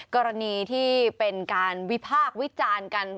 กรณีที่เป็นการวิพากษ์วิจารณ์กัน